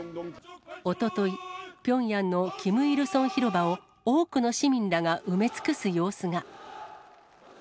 おととい、ピョンヤンのキム・イルソン広場を多くの市民らが埋め尽くす様子が。